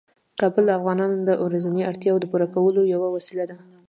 کابل د افغانانو د ورځنیو اړتیاوو د پوره کولو یوه وسیله ده.